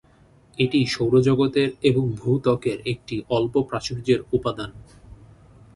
এটি সৌর জগতের এবং ভূত্বকের একটি অল্প প্রাচুর্যের উপাদান।